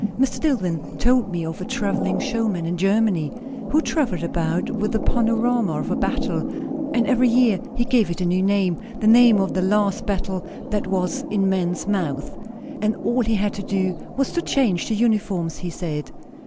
Mr. Dillwyn told me of a travelling showman, in Germany, who travelled about with the panorama of a battle; and every year he gave it a new name, the name of the last battle that was in men's mouths; and all he had to do was to change the uniforms, he said.